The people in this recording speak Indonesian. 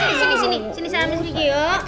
sini salamnya sedikit yuk